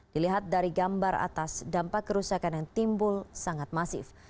dilihat dari gambar atas dampak kerusakan yang timbul sangat masif